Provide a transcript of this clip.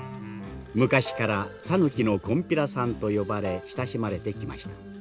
昔から「讃岐のこんぴらさん」と呼ばれ親しまれてきました。